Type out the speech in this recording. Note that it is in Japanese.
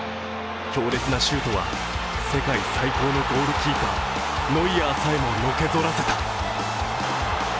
強烈なシュートは世界最高のゴールキーパー、ノイアーさえも、のけぞらせた。